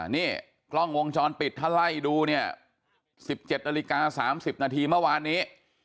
นี่กล้องวงจรปิดถ้าไล่ดูเนี่ย๑๗นาฬิกา๓๐นาทีเมื่อวานนี้